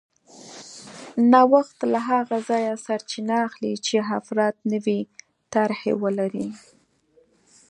نوښت له هغه ځایه سرچینه اخلي چې افراد نوې طرحې ولري